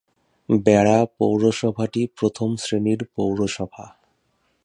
বেড়া পৌরসভাটি প্রথম শ্রেণীর পৌরসভা।